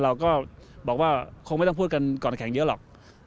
เราก็บอกว่าคงไม่ต้องพูดกันก่อนแข่งเยอะหรอก